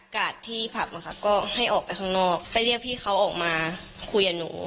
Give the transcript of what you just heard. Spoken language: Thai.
กาดที่ผับนะคะก็ให้ออกไปข้างนอกไปเรียกพี่เขาออกมาคุยกับหนู